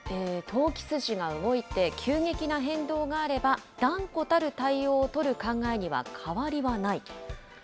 投機筋が動いて急激な変動があれば、断固たる対応を取る考えには変わりはない。